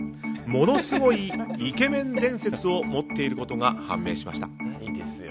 ものすごいイケメン伝説を持っていることが判明しました。